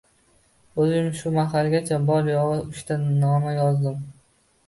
O’zim shu mahalgacha bor-yo’g’i uchta noma yozdim.